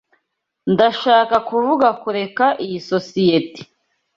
Ndashaka kuvuga kureka iyi sosiyete.